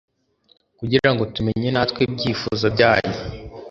kugira ngo tumenye natwe ibyifuzo byanyu